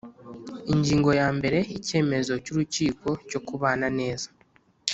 Ingingo ya mbere Icyemezo cy urukiko cyo kubana neza